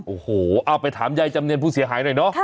โอ้โหเอาไปถามยายจำเนียนผู้เสียหายหน่อยเนอะ